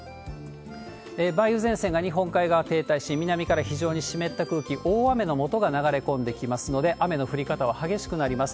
梅雨前線が日本海側停滞し、南から非常に湿った空気、大雨のもとが流れ込んできますので、雨の降り方は激しくなります。